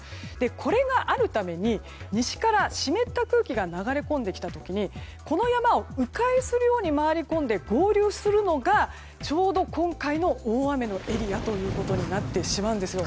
これがあるために西から湿った空気が流れ込んできた時にこの山を迂回するように回り込んで合流するのがちょうど今回の大雨のエリアということになってしまうんですよ。